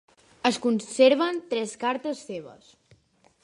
Es conserven tres cartes seves.